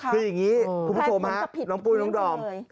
คืออย่างนี้คุณผู้ชมฮะน้องปุ้ยน้องดอม